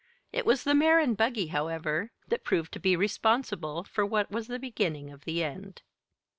It was the mare and the buggy, however, that proved to be responsible for what was the beginning of the end.